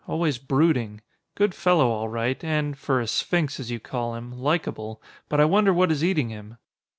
Always brooding. Good fellow all right, and, for a 'sphinx' as you call him, likable. But I wonder what is eating him?"